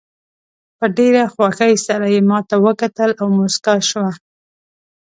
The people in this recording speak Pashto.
په ډېره خوښۍ سره یې ماته وکتل او موسکاه شوه.